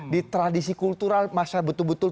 di tradisi kultural masyarakat betul betul